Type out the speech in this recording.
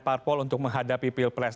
parpol untuk menghadapi pilpres